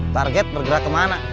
target bergerak kemana